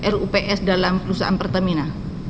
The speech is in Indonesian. rups dalam perusahaan pertamina